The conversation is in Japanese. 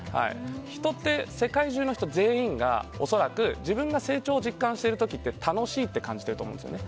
人って、世界中の人全員が恐らく自分が成長を実感している時って楽しいって感じていると思うんですね。